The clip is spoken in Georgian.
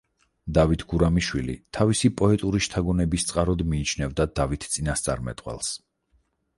დავით გურამიშვილი თავისი პოეტური შთაგონების წყაროდ მიიჩნევდა დავით წინასწარმეტყველს.